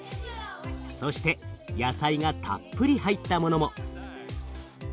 そして野菜がたっぷり入ったものも。